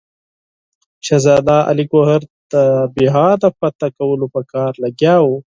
شهزاده علي ګوهر د بیهار د فتح کولو په کار لګیا وو.